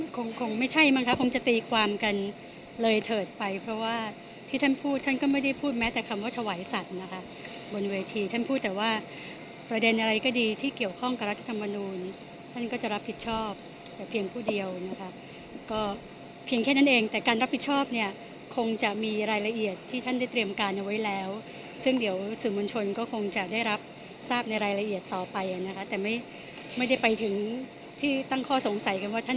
คงคงไม่ใช่มั้งครับคงจะตีความกันเลยเถิดไปเพราะว่าที่ท่านพูดท่านก็ไม่ได้พูดแม้แต่คำว่าถวายสัตว์นะครับบนเวทีท่านพูดแต่ว่าประเด็นอะไรก็ดีที่เกี่ยวข้องกับรัฐธรรมนูญท่านก็จะรับผิดชอบแต่เพียงผู้เดียวนะครับก็เพียงแค่นั้นเองแต่การรับผิดชอบเนี่ยคงจะมีรายละเอียดที่ท่าน